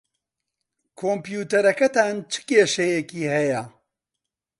کۆمپیوتەرەکەتان چ کێشەیەکی ھەیە؟